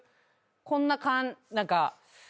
こんな何か。